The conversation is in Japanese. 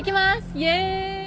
イェーイ。